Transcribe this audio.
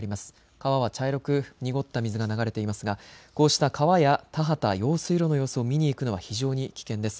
川は茶色く濁った水が流れていますがこうした川や田畑、用水路の様子を見に行くのは非常に危険です。